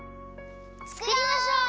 つくりましょう！